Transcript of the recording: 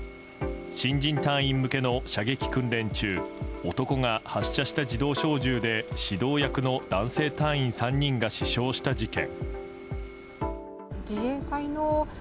新人隊員向けの射撃訓練中男が発射した自動小銃で指導役の男性隊員３人が死傷した事件。